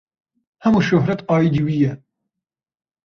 Hemû şohret aîdî wî ye.